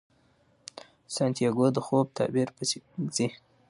سانتیاګو د خوب تعبیر پسې ځي.